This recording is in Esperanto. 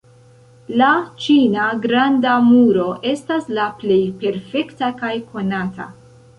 La ĉina Granda Muro estas la plej perfekta kaj konata.